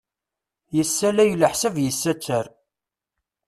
Yessalay leḥsab yessattar.